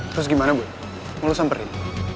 terus gimana bu mau lo samperin